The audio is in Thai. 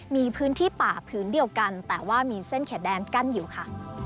มีพื้นที่ป่าพื้นเดียวกันแต่ว่ามีเส้นเขตแดนกั้นอยู่ค่ะ